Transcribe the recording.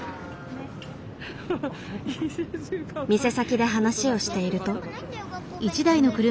店先で話をしていると。